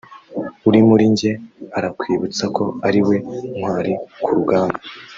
uri muri njye arakwibutsa ko ari we ntwari ku rugamba